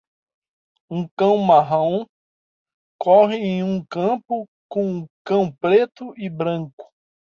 Um cão marrom corre em um campo com um cão preto e branco.